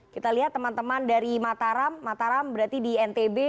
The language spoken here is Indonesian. kita lihat teman teman dari mataram mataram berarti di ntb